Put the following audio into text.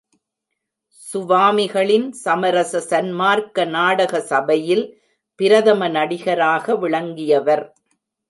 சுவாமிகளின் சமரச சன்மார்க்க நாடக சபையில் பிரதம நடிகராக விளங்கியவர்.